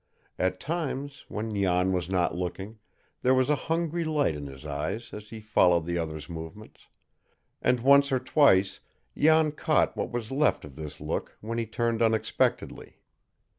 At times, when Jan was not looking, there was a hungry light in his eyes as he followed the other's movements, and once or twice Jan caught what was left of this look when he turned unexpectedly.